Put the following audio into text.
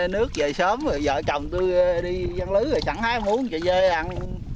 nước về sớm rồi vợ chồng tôi đi dân lứ rồi sẵn hái không uống chạy về ăn